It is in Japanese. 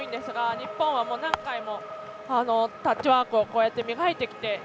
日本は何回もタッチワークをこうやって磨いてきて。